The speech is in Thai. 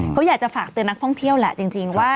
เขาอยากจะฝากเตือนนักท่องเที่ยวแหละจริงว่า